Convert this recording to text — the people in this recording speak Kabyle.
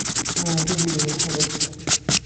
Ahat ad yelhu lḥal azekka.